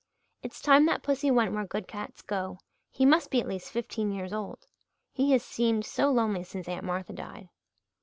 "It's time that pussy went where good cats go. He must be at least fifteen years old. He has seemed so lonely since Aunt Martha died."